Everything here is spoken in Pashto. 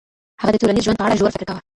هغه د ټولنیز ژوند په اړه ژور فکر کاوه.